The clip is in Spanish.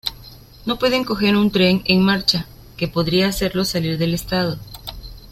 No pueden coger un tren en marcha, que podría hacerlos salir del estado.